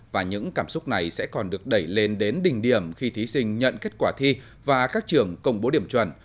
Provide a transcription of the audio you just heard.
và những cảm xúc này sẽ còn được đẩy lên đến đỉnh điểm khi thí sinh nhận kết quả thi và các trường công bố điểm chuẩn